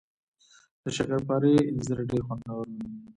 د شکرپارې انځر ډیر خوندور وي